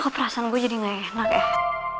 aku perasaan gue jadi gak enak ya